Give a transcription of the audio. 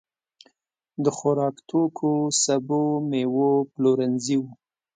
د خوراکتوکو، سبو، مېوو پلورنځي وو.